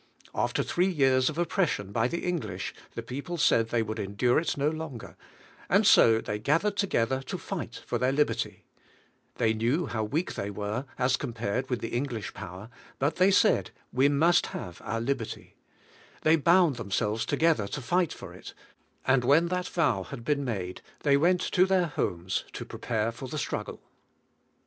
After three years of oppression by the English the people said they would endure it no longer, and so they gathered together to fight for their libert3^ They knew how weak they were, as compared with the English power, but they said, "We must have our libert}^" They bound themselves together to fight for it, and when that vow had been made, they went to their homes to prepare for the struggle.